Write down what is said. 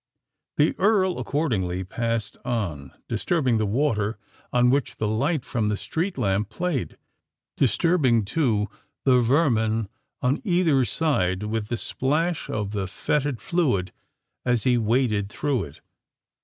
The Earl accordingly passed on—disturbing the water on which the light from the street lamp played,—disturbing, too, the vermin on either side with the splash of the fetid fluid as he waded through it.